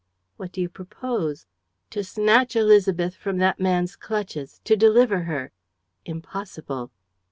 "What do you propose?" "To snatch Élisabeth from that man's clutches, to deliver her." "Impossible."